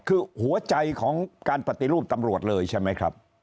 คือหัวใจของการปฏิรูปตำรวจเลยใช่ไหมครับ